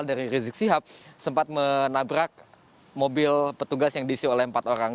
hal dari rizky ksihab sempat menabrak mobil petugas yang diisi oleh empat orang